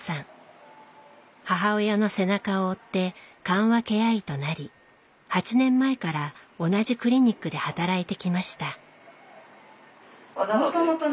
母親の背中を追って緩和ケア医となり８年前から同じクリニックで働いてきました。